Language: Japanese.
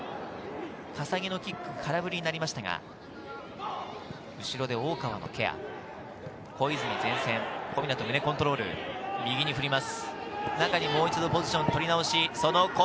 笠置のキック、空振りになりましたが、後ろで大川のケア、小泉、前線、小湊、胸コントロール、右に振ります。